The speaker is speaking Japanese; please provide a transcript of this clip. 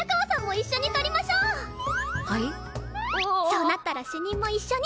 そうなったら主任も一緒に。